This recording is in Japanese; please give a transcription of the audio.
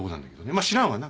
まあ知らんわな。